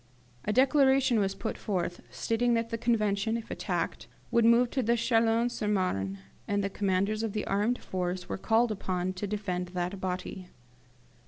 A declaration was put forth, stating that the Convention, if attacked, would remove to Chalons sur Marne; and the commanders of the armed force were called upon to defend that body.